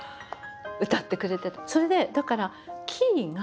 それでだからキーが。